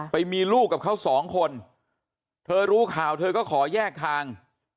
ไปมีลูกกับเขาสองคนเธอรู้ข่าวเธอก็ขอแยกทาง